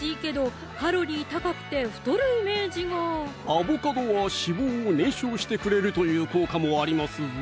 アボカドは脂肪を燃焼してくれるという効果もありますぞ